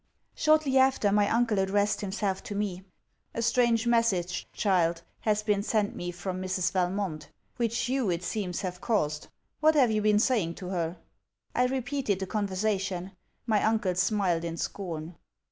Shortly after, my uncle addressed himself to me. 'A strange message, child, has been sent me from Mrs. Valmont, which you it seems have caused. What have you been saying to her?' I repeated the conversation. My uncle smiled in scorn.